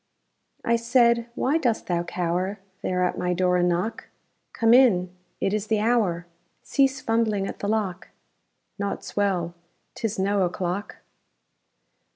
I said, _Why dost thou cower There at my door and knock? Come in! It is the hour! Cease fumbling at the lock! Naught's well! 'Tis no o'clock!